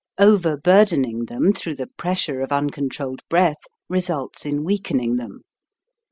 Overbur dening them through the pressure of uncon trolled breath results in weakening them.